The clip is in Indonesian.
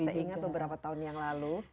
saya ingat beberapa tahun yang lalu